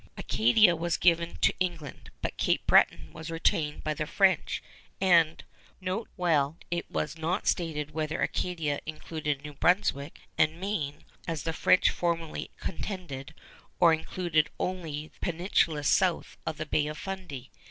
Acadia was given to England, but Cape Breton was retained by the French, and note well it was not stated whether Acadia included New Brunswick and Maine, as the French formerly contended, or included only the peninsula south of the Bay of Fundy.